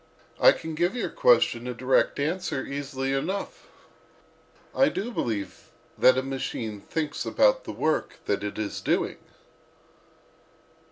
I can give your question a direct answer easily enough: I do believe that a machine thinks about the work that it is doing."